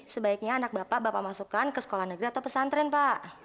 sebaiknya anak bapak bapak masukkan ke sekolah negeri atau pesantren pak